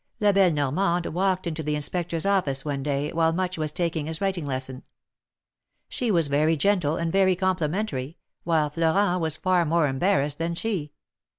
La belle Normande walked into the Inspector's office one day, while Much was taking his writing lesson. She was very gentle and very compli mentary, while Florent was far more embarrassed than she.